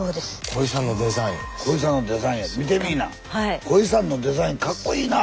小井さんのデザインかっこいいな！